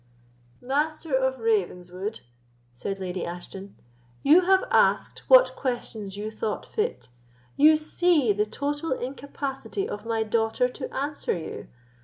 "Master of Ravenswood," said Lady Ashton, "you have asked what questions you thought fit. You see the total incapacity of my daughter to answer you.